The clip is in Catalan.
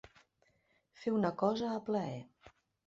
Fer una cosa a plaer.